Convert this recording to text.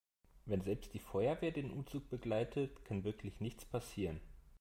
Wenn selbst die Feuerwehr den Umzug begleitet, kann wirklich nichts passieren.